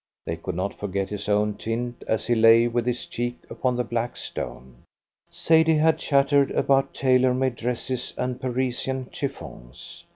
They could not forget his own tint as he lay with his cheek upon the black stone. Sadie had chattered about tailor made dresses and Parisian chiffons.